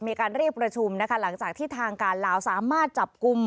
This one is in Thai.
มีการเรียกประชุมนะคะหลังจากที่ทางการลาวสามารถจับกลุ่ม